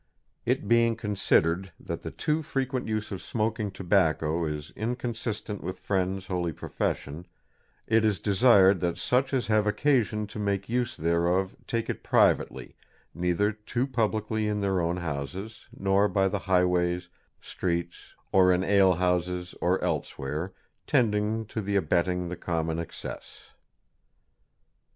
It being considered that the too frequent use of smoking Tobacco is inconsistent with friends holy profession, it is desired that such as have occasion to make use thereof take it privately, neither too publicly in their own houses, nor by the highways, streets, or in alehouses or elsewhere, tending to the abetting the common excess."